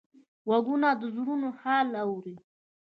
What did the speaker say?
غوږونه د زړونو حال اوري